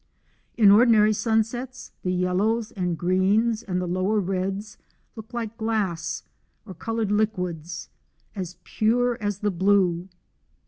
In ordinary sunsets the yellows and greens and the lower reds look like glass, or coloured lic|uids, as pure as the blue.